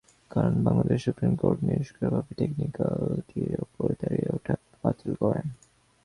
কারণ, Bangladesh supreme court নিরঙ্কুশভাবে টেকনিক্যালটির ওপর দাঁড়িয়ে ওটা বাতিল করেন।